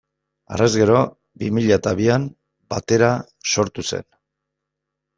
Harrez gero, bi mila eta bian, Batera sortu zen.